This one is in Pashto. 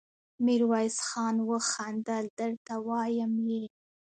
ميرويس خان وخندل: درته وايم يې!